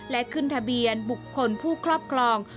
และขึ้นทะเบียนบุคคลผู้ครอบครอง